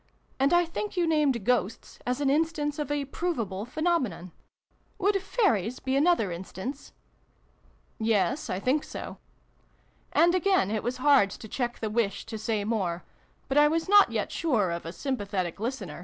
And I think you named Ghosts as an instance of a provable phenomenon. Would Fairies be another instance ?"" Yes, I think so." And again it was hard to check the wish to say more : but I was not yet sure of a sympathetic listener.